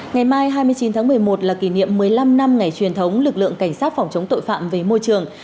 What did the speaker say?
ngày mai hai mươi chín tháng một mươi một là kỷ niệm một mươi năm năm ngày truyền thống lực lượng cảnh sát phòng chống tội phạm về môi trường